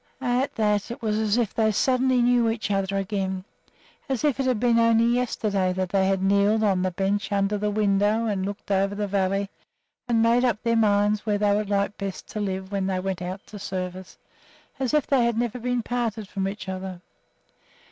At that it was as if they suddenly knew each other again; as if it had been only yesterday that they had kneeled on the bench under the window and looked over the valley and made up their minds where they would like best to live when they went out to service; as if they had never been parted from each other.